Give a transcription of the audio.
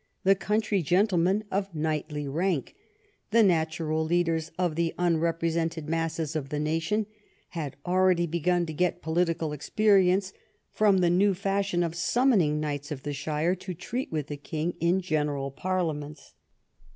The country gentlemen of knightly rank, the natural leaders of the unrepresented masses of the nation, had already begun to get political experience from the new fashion of summoning knights of the shire to treat with the king in general parliaments.